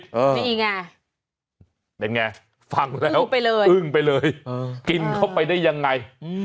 นี่ไงเป็นไงฟังแล้วอึ้งไปเลยกินเข้าไปได้ยังไง